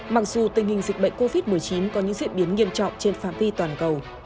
mặc dù tình hình dịch bệnh covid một mươi chín có những diễn biến nghiêm trọng trên phạm vi toàn cầu